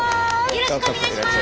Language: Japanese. よろしくお願いします！